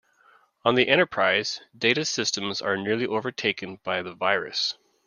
On the "Enterprise", Data's systems are nearly overtaken by the virus.